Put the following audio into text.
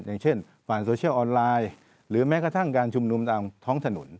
อย่างเช่นผ่านโซเชียลออนไลน์หรือแม้กระทั่งการชุมนุมตามท้องถนน